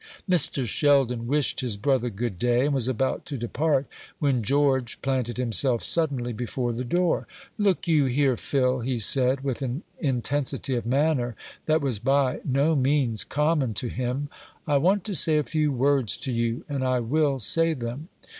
Mr. Sheldon wished his brother good day, and was about to depart, when George planted himself suddenly before the door. "Look you here, Phil," he said, with an intensity of manner that was by no means common to him; "I want to say a few words to you, and I will say them.